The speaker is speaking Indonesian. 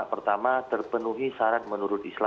pertama terpenuhi saran